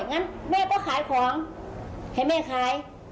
แล้วเม่าก็ขายของให้เม่าขาย